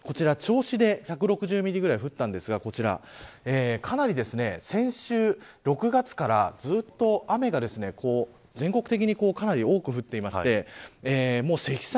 というのも、こちら銚子で１６０ミリぐらい降ったんですがかなり先週、６月からずっと雨が全国的にかなり多く降っていて積算